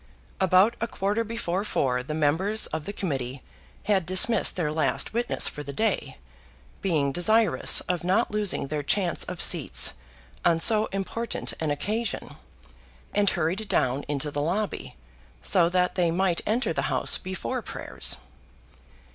About a quarter before four the members of the Committee had dismissed their last witness for the day, being desirous of not losing their chance of seats on so important an occasion, and hurried down into the lobby, so that they might enter the House before prayers.